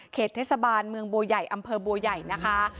เทศบาลเมืองบัวใหญ่อำเภอบัวใหญ่นะคะ